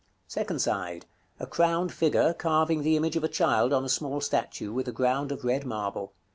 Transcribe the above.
Second side. A crowned figure, carving the image of a child on a small statue, with a ground of red marble.